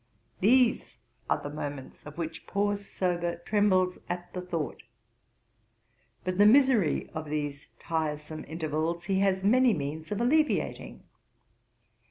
These are the moments of which poor Sober trembles at the thought. But the misery of these tiresome intervals he has many means of alleviating....